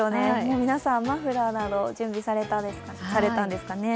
皆さんマフラーなど準備されたんですかね。